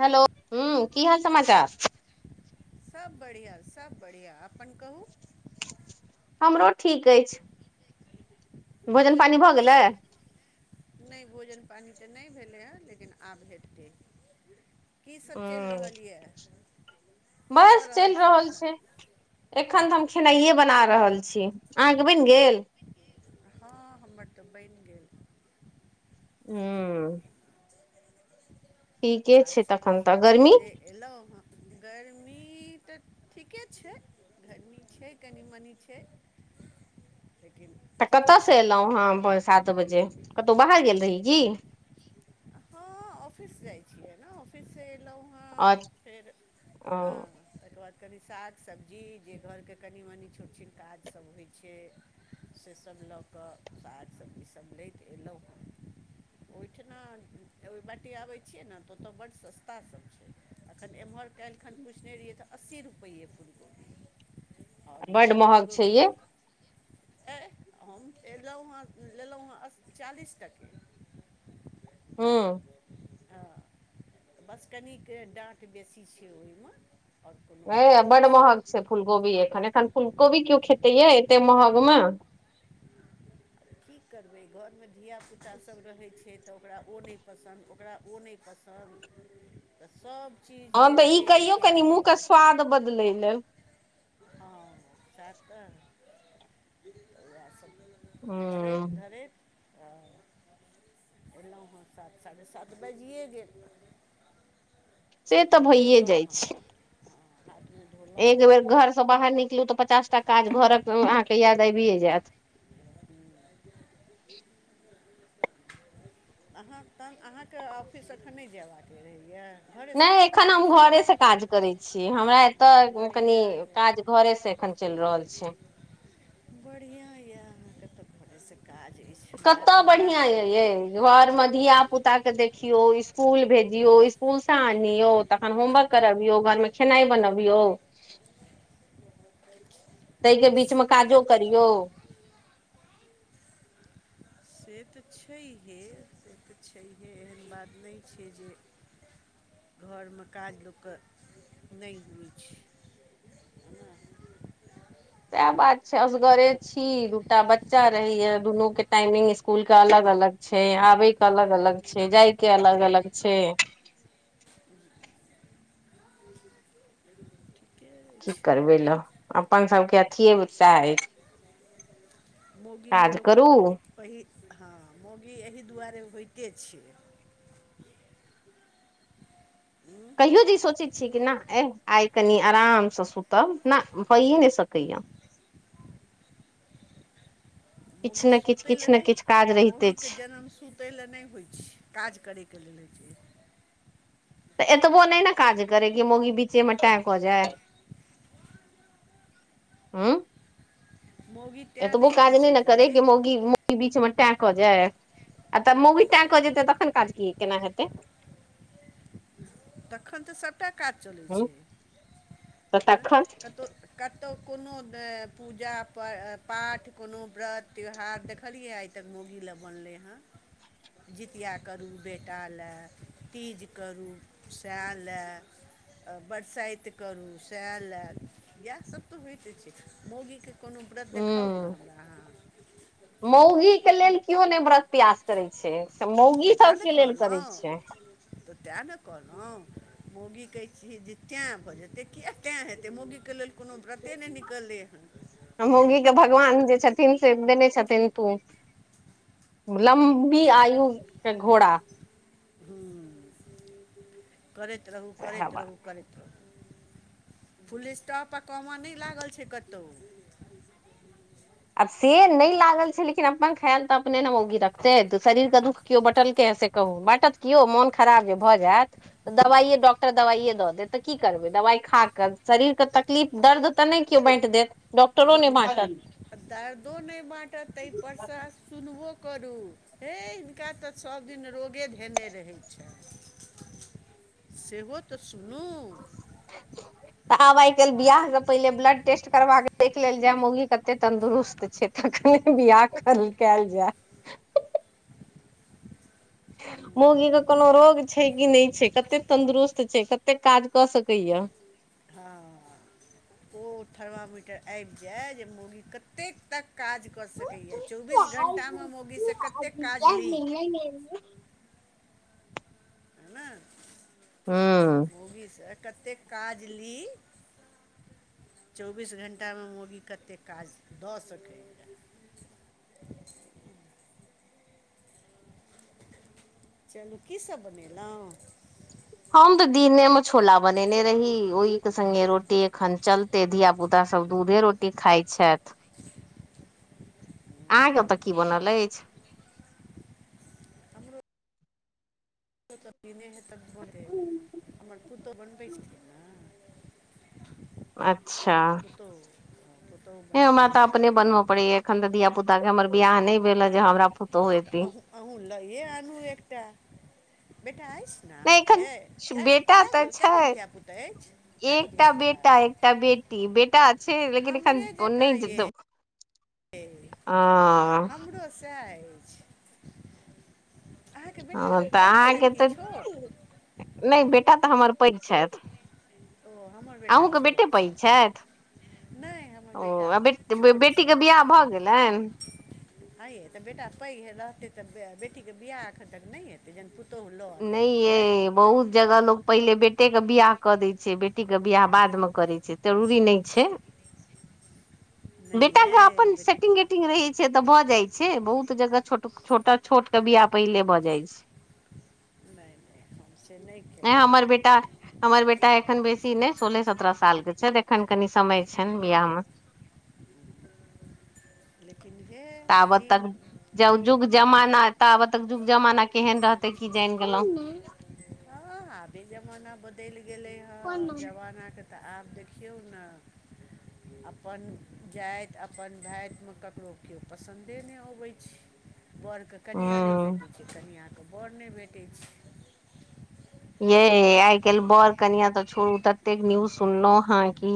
Hello हाँ की हाल समाचार? सभ बढ़िआँ सभ बढ़िआँ अपन कहू हमरो ठीक अछि। भोजन पानि भऽ गेलै? कीसभ नहि भोजन पानि तऽ नहि भेलै हेँ लेकिन आब हेतै। की सब चलि हूँ रहल यऽ बस चलि रहल छैय एखन तऽ हम खेनाइए बनाब रहल छी अहाँके बनि गेल? हँ हमर तऽ बनि गेल हू सात साढ़े तखन तऽ सात गर्मी बजे एलौ गर्मी तऽ ठीके छैय। गरमी छैय कनि मनी छैय। [inaudible] तऽ कतयसँ एलहुँ हेँ सात बजे कतहु बाहर गेल रही की? हँ ऑफिस जा छियै ना ऑफिस से आज ओ हँ तकर बाद कनि साग सब्जी जे घरके कनि मनी छोट छट काज सब होइ छैय। [unintelligible] ओहि बाटी आबै छियै ने तऽ ओतय बड्ड सस्ता सब छैय। एखन एम्हर काल्हिखन पुछने रहियै तऽ अस्सी रुपैए फुलकोबी बड महग छैय ये ए हम एलहुँ हेँ लेलहुँ हेँ अस् चालीस टके हँ हँ त बसकनिके डाँट बेसी छैय ओहिमे। आओर कोनो अथी अ नहि बड छै महग छैय फुलकोबी एखन एखन फूल कोबी कओ खेते य एते महग मे की करबै घरमे धियपुताास सब रहै छैय तऽ ओकरा ओ नहि पसन्द ओकरा ओ नहि पसन्द। तऽ सब हन तऽ ई कहियौ कनि मूँहके स्वाद बदलय लेल। तऽएह सब हूँ करैत धरैत [inaudible] अलहुँ हँ सात साढ़े सात बाजिए गेल से तऽ भइए जाइ छैय। आ एक बेेर घरसँ बाहर निकलू तऽ पचास टा काज घरक अहाँके याद आबिए जायत। [inaudible] अहाँ तहन अहाँके ऑफिस एखन नहि जयबाक रहैए? घरेसँ नहि काज एखन करै हम छियै घरेसँ काज करैत छी हमरा एतय कनी बढ़िआँ यए खन चलि रहल छैय बढ़िआँ यऽ अहाँके तऽ घड़ स कतऽ बढ़ियाँ यऽ ये घर मे धिया पुता के देखियो स्कूल भेजियो स्कूल से आनियऔ तखन होमवर्क करबियौ घरमे खेनाइ बनबियौ ताहिके बीचमे ए काजो करियौ। से तऽ छैहे से तऽ छैहे एहन बात नहि छैय जे घरमे काज लोकके नहि होइ छैय। [inaudible] सएह बात छै असगरे छी दूटा बच्चा रहैय दुनू के टाइमिंग स्कुल के अलग अलग अलग छैय आबै के अलग अलग छैय जाय के अलग अलग छैय। [inaudible] ठीके की अछि करबै लए अपन सभके अथिए साहै अछि। मोगीमे काज लोकके करू पहि हँ मोगी एहि दुआरे होइते छैय। उँ, कहियो जे सोचैत छीयै कि नहि ए आइ कनि आरामसँ सुतब ने भयए नहि सकै या। [inaudible] मौगी सुतै लए नहि रहिते मौगीके छै जनम सुतै लए नहि होइ छैय काज करैके लेल होइ छैय। तऽ एतबो नहि ने काज करै कि मौगी बीचेमे टै क जाय हँ मौगी तैँ एतबो होइ काज नहि छै ने करे के जल्दी मौगी मौगी बीच मे टां क जाय आ तऽ मौगी टाै कऽ जेतै तखन काज क केना हेतै? तखन तऽ सभटा काज चलैत हँ छैँ तऽ तखन कतहु क तौ कोनो पूजा प पाठ कोनो व्रत त्यौहार देखलियै आइ तक मौगी लए बनलै हँ जितिया करू बेटा लए तीज करू सांइ लए बरसाइत करू सएह लायब इएहसभ तऽ होइते छैय मोगीके कोनो व्रत देखाउ ने हमरा अहाँ मौगी के लेल केओ नहि व्रत प्यास करै छैय मौगी तैँ ने सबके लेल करै कहलहुँ छैय। तऽ तेँ ने कहलहुँ मौगी कहै छी जे तैं भऽ जेतै किया तें हेतै मौगीके लेल कोनो व्रते नहि निकललै हँ मउगी के भगवान जे छथिन से देने छथिन तू लम्बी आयु के घोड़ा हूँ, करैत रहू सएह करैत बात रहू करैत रहू फूले स्टॉप आ कम नहि लागल छैय कतहु। आब से नहि लागल छैय लेकिन अपन खायल तऽ अपने ने मौगी रखतै तऽ शरीर के दुःख केओ बटलकै? से कह बाँटत केो मोन खराब जे भऽ जायत दवाइे डॉक्टर दवाइे द देत त की करबै? दबाइ खा कऽ शरीरके तकलीफ दर्द तऽ नहि केओ बाँटि देत डॉक्टरो नहि दर बाँटत। दर्दो नहि बाँटत ताहि परसँ सुनबो करू हे हिनका तऽ सभदिन रोगे धेने रहै छन सेहो तऽ सुनू [inaudible] तऽ आब आइ काल्हि बियाह सँ पहिले ब्लड टेस्ट करबा कऽ देख लेल जाय मौगी कते तंन्दुरुस्त छै तखन बियाह कैल जाय मौगी केँ कोनो रोग छै की नहि छै कते तन्दुरुस्त छै कते काज कऽ सकैय क [inaudible] हँ ओ थर्मामीटर आबि जाय जे मौगी कतेक तक काज कऽ सकैए चौबीस हूँ घण्टामे मौगीसँ कतेक काज ली हँ सँ कतेक काज ली चौबीस घण्टामे मौगी कतेक काज दऽ सकैये [inaudible] चलू कीसभ बनेलहुँ हम तऽ दिने मे छोला बनेने रही ओहि के संगे रोटी एखन चलतै धिया पुता सब दूध दुधे रोटी खाइ छथि अहाँके ओतय की बनल अछि हमरो तऽ दिने नहि हेत बोले हमर पुतहु बनबै छथि ने [inaudible] अच्छा पुतहु हँ, पुतहु हें हमरा बनेने तऽ अपने हेथिन बनबऽ पड़ैये एखन तऽ धिय पुता के हमरा बियाह नहि भेले जे हमरा पु त अहुँ अहुँ लैए आनू एकटा बेटा अइ छै न नहि एखन अहाँके कए बेटा कए तऽ गो कए गो छै धियापुता अछि कए गो एकटा धियापुता बेटा एकटा बेटी बेटा छै लेकिन एखन हमरे ओ नैय जकाँ ये जेतौ ओ हमरो सएह अछि अहाँके बेटा हँ तऽ पैघ छथि अहाँके कि तऽ छोट नहि बेटा तऽ हमर पैघ छथि ओ हमर बेटा अहूँके छोट बेटे पैघ छै छथि नहि हमर ओ बेटा आ बे छोट बेटीके छथि बियाह भऽ गेलनि हँ यै तऽ बेटा पैघ रहतै तऽ बेटीके बियाह एखन तक नहि हेतै जहन पु नहि यै बहुत जगह लोक पहिले बेटी बेटेके बियाह कऽ दै छै बेटीके बियाह बादमे करै छै जरूरी नहि छै नहि बेटा कऽ ये अपन बेटी सेटिंग गेटिंग रहैत छै तऽ भऽ जाइ छै बहुत जगह छो छोटा छोट केँ बियाह पहिले भऽ जाइ छै नहि नहि हम से नहि नहिकेलक हमर [inaudible] बेटा हमर बेटा एखन बेसी नहि सोलह सत्रह साल के छथि एखन कनि समय छनि बियाहमे लेकिन हे [inaudible] तबत तक दिन जब जुग जमाना हँ ताब तक जुग जमाना केहन रहत तऽ की जन गेलौ हँ आबे जमाना बदैल गेलै हँ जमानाकेँ तऽ आब देखियौ न अपन जाइत अपन भाइत मे ककरो केओ पसन्दे नहि अबै छै बर के कनिआँ नै ह भेटै छै कनिआँ के बर नै भेटै छै ये आइ काल्हि बड़ कनिया तऽ छोड़ू ततेक न्यूज सुनलहु हं कि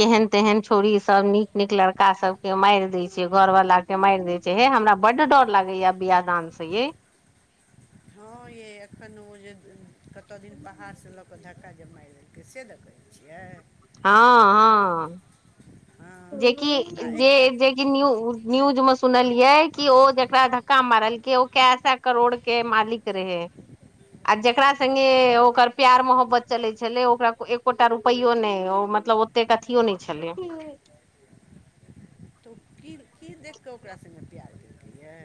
केहेन तेहन छौरी सब नीक नीक लड़का सब केँ माइर देै छै घर वाला के माइर देय छै हे हमरा बड्ड डर लागैया बियाह दान से यै हँ यै एखन ओ जे कतऽ दिन पहाड़सँ लऽ कऽ धक्का जे माइर देलकै से दऽ कहै छियै हँ हँ हँ जे कि आ एकटा जे जे कि न्यू न्यूज मे सुनलियै कि ओ जेकरा धक्का मारलकै ओ कै सै करोड़ केँ मालिक रहै। आ जकरा संगे ओकर प्यार मोहब्बत चलै छलै ओकरा एकोटा रुपैयो नै आ मतलब ओतेक अथियो नै छलै तऽ ओ की की देख कऽ ओकरा सङ्गे प्यार केलकैए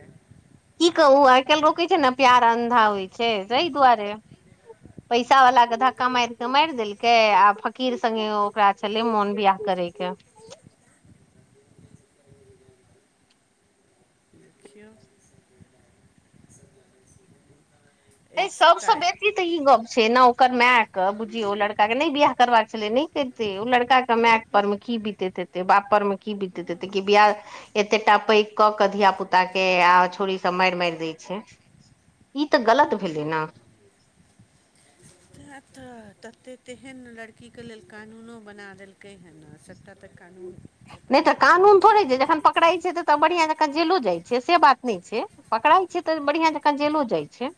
की कहू आइ काल्हि लोक कहै छै ने प्यार अन्धा होइ छै अहि दुआरे पैसा वला के धक्का मार के मायर देलकै आ फकीर संगगे ओकरा छलै मोन बियाह करेके देखियौ एहि एकटा सबसँ बेसी तऽ ई गम छैय ने ओकर मायक बुझियो लड़का के नहि बियाह करबाक छले नहि करते ओ लड़का के माय पर मेख की बितैत हेते बापर में की बितैत हेते हूँ कि बीयाह एतेटा पैघ क के धिया पुता के आ छौरी सब मार मार दै छैय ई ते गलत भेल ना तऽ तते तेहन लड़कीके लेल कानूनो बना देलकै हेँ सभटा तऽ कानून नहि ओकरे तऽ सभके कानून लेल थोड़े छैय अछि जखन पकड़ा छैय त तऽ बढ़ियाक जेलो जाइ छै से बात नहि छैय पकड़ाइ छैय तऽ बढ़िआं जकाँ जेलो जाइ छैय।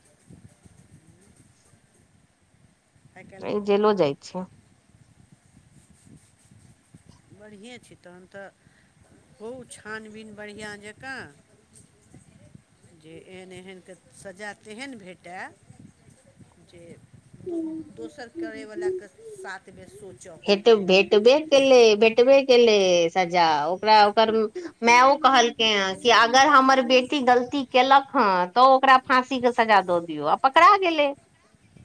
आइ काल्हि अ जेलो जाइ छैय। बढ़िएँ छैय तखन तऽ को छानबीन बढ़िआँ जँकाँ जे एहन एहने सजा तेहन भेटय जे दोसर करयवलाके साथमे सोचय पड़ैए टबे केलै भटबे केलै सजा ओकरा ओकर मेओ कहलकै ह अगर हमर बेटी गलती केलक हँ तऽ ओ ओकरा फाँसीके सजा दऽ दियौ आ पकड़ा गेलै।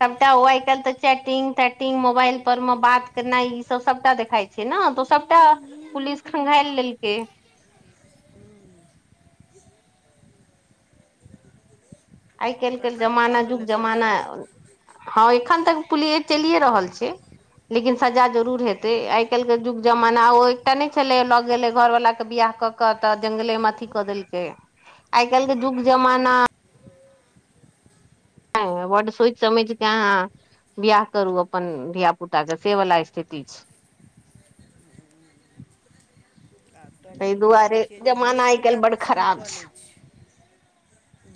सबटा आइ काल्हि तऽ चैटिंग तैटिंग मोबाइल पर मे बात केना ई सब सबटा देखाई छैय ने तऽ सबटा पुलिस खंघायल लेलकै [inaudible] आई काल के तखन जमाना भऽ जुग गेलै सजा जमाना ह इ एखन तक पुलि चलिए रहल छैय। लेकिन सजा जरूर हेतै आइ काल्हि के युग जमाना ओ एकटा नहि छलै लऽ गेलै घरवालाक के बियाह कऽ क तऽ जंगले मे अथी कऽ देलकै आइ काल्हि के युग जमाना ह वड सोच समझ क आहाॅं बियाह करू अपन धियापुताके से वला स्थिति आ छैय। [inaudible] एहि तब देखै दुआरे छियै जे जमाना आई काल धियेपुता बड खराब छैय।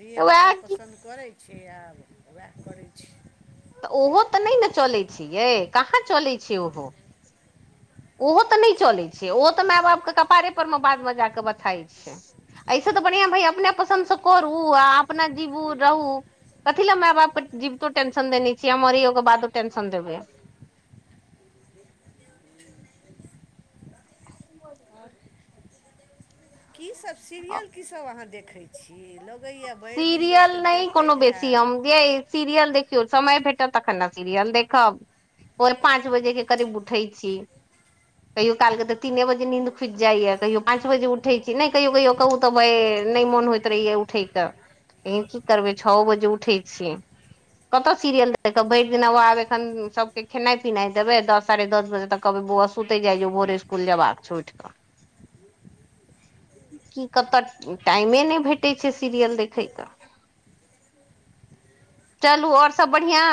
धियपुता पसन्द करै छिय आब उएह करै छी ओहो तऽ नहि ने चलैत छिय यै कहाँ चलैत छैय ओहो ओहो तऽ नहि चलैत छै ओहो तऽ माय बापके कपारेपर मे बादमे जा कऽ बथाइत छै ऐसे तऽ बढ़ियां भइ अपने पसन्द से करू अपना जीबू रहू कथी ले माय बापके जीबितो टेंशन देने छियै मरीयोक बादो टेंशन देबै [inaudible] [unintelligible] की सब सीरियल की सब अहाँ देखै छी? लगैया भरि दिन बैसि सीरियल कऽ नहि कोनो देखैत बेसी हैब दिय सीरियल देख समय भेटब तखन ने सीरियल देखब पाँच बजे के करीब उठै छी। कहियो कालके तऽ तीने बजे नींद खुज जाइए कहियो पाँच बजे उठैत छी नहि कहियो कहियो कहू तऽ नहि मोन होइत रहैय उठैके लेकिन की करबै छओ बजे उठै छियै। कतौ सीरियल देख भरि दिना आब एखन सबके खेनाई पिनाई देबै दस साढ़े दस बजे तक कहबै बउआ सुतै जाई जो भोरे स्कुल जबाक उठ कऽ। की कतऽ टाइमे नहि भेटैत अच्छे सीरियल देखै क। चलू ओर सब बढ़ियां?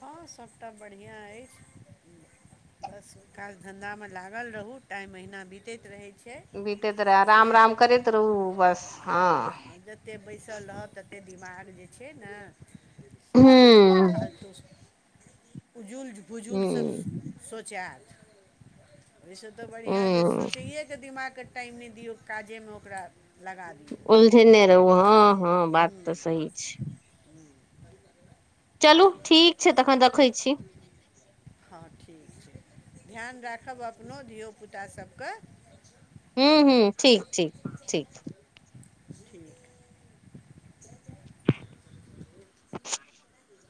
हाँ सबटा बढ़ियां अइछ। बस काज धंधा मे लागल रहू टाइ अहिना बीतैत रहैत बीते त रह राम राम करे त रहू बस हाँ एक दिमाग जे छैय ने से हूँ फालतू उजुल बुजुल सब हूँ सौचा ओहिसे तऽ बढ़ियां जे हूँ सोचैएके दिमागके टाइम नहि दियौ काजेमे ओकरा लगा दियौ त हाँ हाँ बात तऽ सही छै चलू ठीक छै तखन रखै छी हँ ठीक छै ध्यान राखब अपनो धियपुताभके हूँ हूँ ठीक ठीक ठीक ठीक [unintelligible]